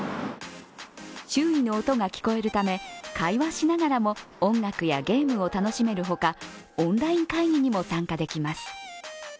周囲の音が聞こえるため会話しながらも音楽やゲームを楽しめる他、オンライン会議にも参加できます。